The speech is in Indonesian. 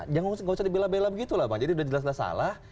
jangan gocet di bela bela gitu lah pak jadi sudah jelas jelas salah